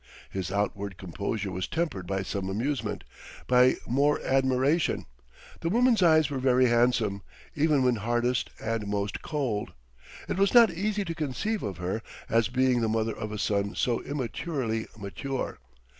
His outward composure was tempered by some amusement, by more admiration; the woman's eyes were very handsome, even when hardest and most cold. It was not easy to conceive of her as being the mother of a son so immaturely mature.